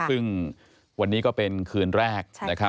ซึ่งวันนี้ก็เป็นคืนแรก